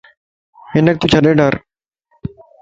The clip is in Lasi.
ھنک تو ڇڏي ڊار